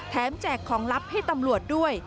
แจกของลับให้ตำรวจด้วย